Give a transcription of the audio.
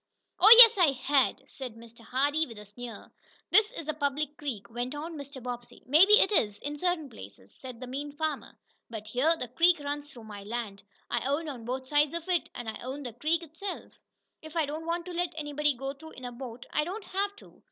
"Oh, yes, I had!" said Mr. Hardee with a sneer. "This is a public creek," went on Mr. Bobbsey. "Maybe it is, in certain places," said the mean farmer, "but here the creek runs through my land. I own on both sides of it, and I own the creek itself. If I don't want to let anybody go through in a boat, I don't have to."